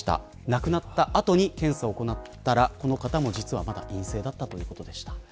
亡くなった後に検査を行ったらこの方も実はまだ陰性だったということでした。